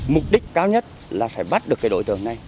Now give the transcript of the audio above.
mục đích cao nhất là phải bắt được đội tượng này